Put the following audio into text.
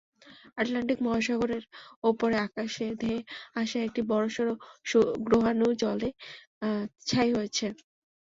Atlantic মহাসাগরের ওপরের আকাশে ধেয়ে আসা একটি বড়সড় গ্রহাণু জ্বলে ছাই হয়েছে।